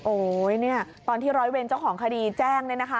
โอ๊ยเนี่ยตอนที่ร้อยเวรเจ้าของคดีแจ้งเนี่ยนะคะ